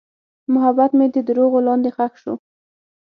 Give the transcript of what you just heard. محبت مې د دروغو لاندې ښخ شو.